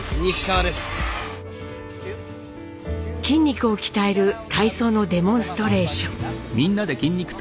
筋肉を鍛える体操のデモンストレーション。